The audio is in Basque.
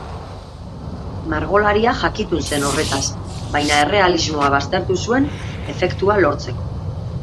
Margolariak jakitun zen horretaz baina errealismoa baztertu zuen efektua lortzeko.